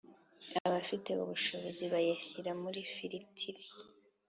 abafite ubushobozi bayashyira muri firitiri